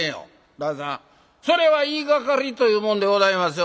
旦さんそれは言いがかりというもんでございますよ。